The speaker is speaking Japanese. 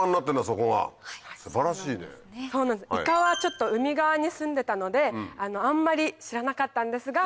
そうなんですいかはちょっと海側に住んでたのであんまり知らなかったんですが。